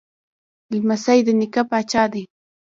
لمسی د نیکه پاچا دی.